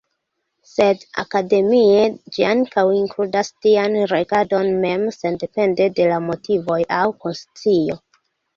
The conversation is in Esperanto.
Sed akademie, ĝi ankaŭ inkludas tian regadon mem, sendepende de la motivoj aŭ konscio.